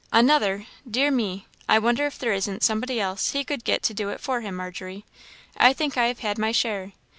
"Another! Dear me! I wonder if there isn't somebody else he could get to do it for him, Margery? I think I have had my share.